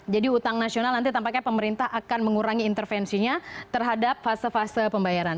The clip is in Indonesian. jadi utang nasional nanti tampaknya pemerintah akan mengurangi intervensinya terhadap fase fase pembayaran